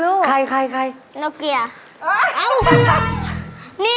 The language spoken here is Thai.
โดยเฉพาะ